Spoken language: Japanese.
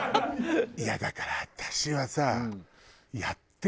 いやだから私はさ。